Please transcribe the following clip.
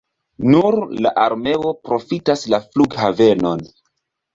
Nur la armeo profitas la flughavenon.